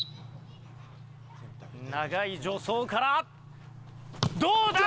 長い助走からどうだ？